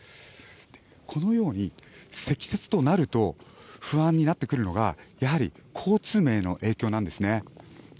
このように、積雪となると不安になってくるのが、やはり交通面への影響なんですね。